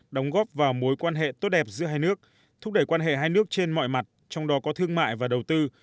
đóng góp vào mối quan hệ tốt đẹp giữa hai nước thúc đẩy quan hệ hai nước trên mọi mặt trong đó có thương mại và đầu tư